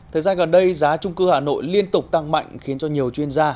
thời gian gần đây giá trung cư hà nội liên tục tăng mạnh khiến cho nhiều chuyên gia